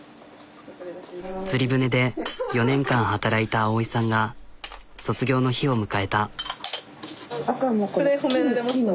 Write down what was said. つり舟で４年間働いた碧衣さんが卒業の日を迎えた。